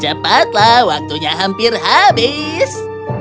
cepatlah waktunya hampir habis